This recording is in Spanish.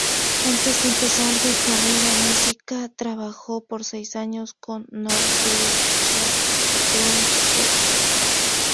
Antes de empezar de carrera música trabajó por seis años con Norddeutscher Rundfunk.